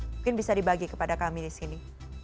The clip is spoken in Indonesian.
mungkin bisa dibagi kepada kami di sini